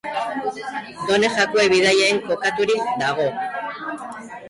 Done Jakue bidean kokaturik dago.